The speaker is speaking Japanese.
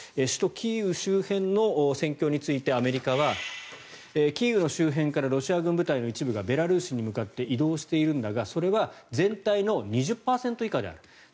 首都キーウ周辺の戦況についてアメリカはキーウの周辺からロシア軍部隊の一部がベラルーシに向かって移動しているんだがそれは全体の２０％以下であると。